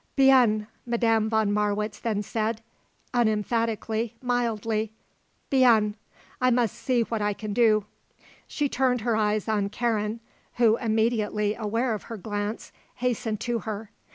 "Bien," Madame von Marwitz then said, unemphatically, mildly. "Bien. I must see what I can do." She turned her eyes on Karen, who, immediately aware of her glance, hastened to her.